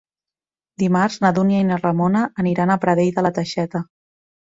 Dimarts na Dúnia i na Ramona aniran a Pradell de la Teixeta.